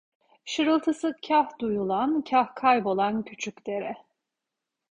Şırıltısı kah duyulan, kah kaybolan küçük dere…